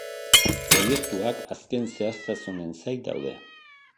Proiektuak azken zehaztasunen zain daude.